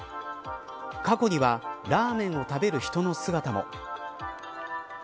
過去にはラーメンを食べる人の姿も。